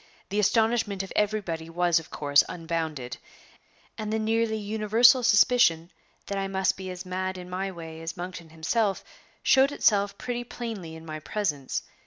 The astonishment of everybody was of course unbounded, and the nearly universal suspicion that I must be as mad in my way as Monkton himself showed itself pretty plainly in my presence.